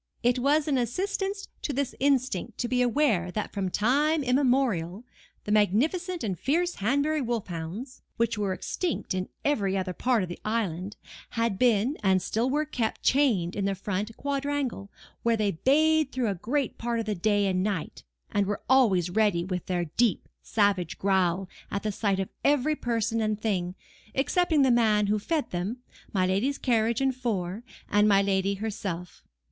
It was an assistance to this instinct to be aware that from time immemorial, the magnificent and fierce Hanbury wolf hounds, which were extinct in every other part of the island, had been and still were kept chained in the front quadrangle, where they bayed through a great part of the day and night and were always ready with their deep, savage growl at the sight of every person and thing, excepting the man who fed them, my lady's carriage and four, and my lady herself.